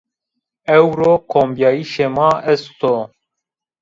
Ewro kombîyayîşê ma est o.